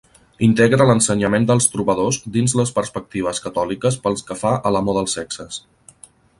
Integra l'ensenyament dels trobadors dins les perspectives catòliques pel que fa a l'amor dels sexes.